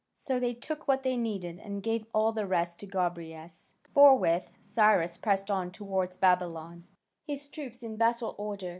So they took what they needed and gave all the rest to Gobryas. Forthwith Cyrus pressed on towards Babylon, his troops in battle order.